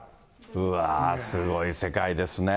うわー、すごい世界ですね。